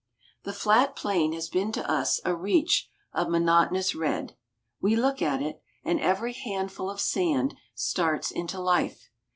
The flat plain has been to us a reach of monotonous red. We look at it, and every handful of sand starts into life.